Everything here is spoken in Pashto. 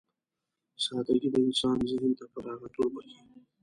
سادهګي د انسان ذهن ته فراغت وربښي.